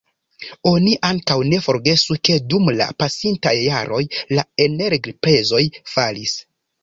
Oni ankaŭ ne forgesu ke dum la pasintaj jaroj la energiprezoj falis.